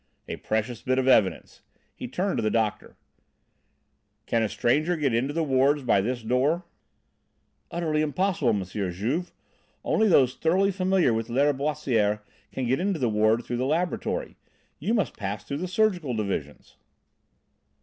"A precious bit of evidence!" He turned to the doctor: "Can a stranger get into the wards by this door?" "Utterly impossible, M. Juve! Only those thoroughly familiar with Lâriboisière can get into the ward through the laboratory. You must pass through the surgical divisions."